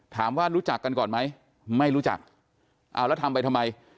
รู้จักกันก่อนไหมไม่รู้จักเอาแล้วทำไปทำไม